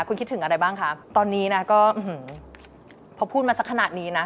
คุณคิดถึงอะไรบ้างคะตอนนี้นะก็พอพูดมาสักขนาดนี้นะ